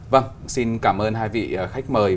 vâng xin cảm ơn hai vị khách mời